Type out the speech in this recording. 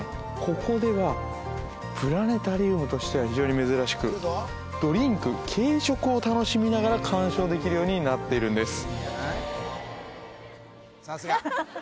ここではプラネタリウムとしては非常に珍しくドリンク・軽食を楽しみながら観賞できるようになってるんです